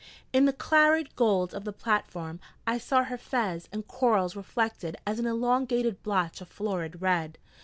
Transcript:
In the clarid gold of the platform I saw her fez and corals reflected as an elongated blotch of florid red.